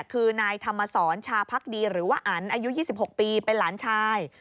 คือนายธรรมสรชาพักดีหรือว่าอันอายุ๒๖ปีเป็นหลานชาย